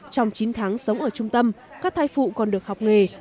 trong chín tháng sống ở trung tâm các thai phụ còn được học nghề